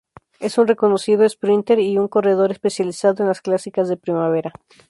Es un reconocido esprínter y un corredor especializado en las clásicas de primavera.